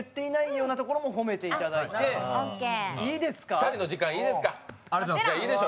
２人の時間いいですか？